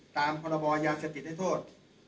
ตามพรบยาเสพติดให้โทษ